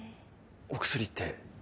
お薬って。